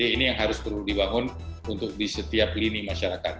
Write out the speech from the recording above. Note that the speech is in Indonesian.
ini yang harus perlu dibangun untuk di setiap lini masyarakat